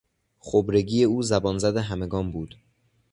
خبرگی او زبانزد همگان بود